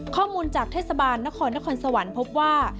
ข้อมูลจากเทศบาลนครนครสวรรค์พบว่า